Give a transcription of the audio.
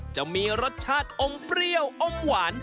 จะมีรสชาติอมเปรี้ยวอมหวาน